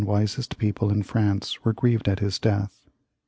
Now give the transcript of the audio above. wisest people in France were grieved at his death.